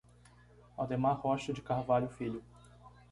Aldemar Rocha de Carvalho Filho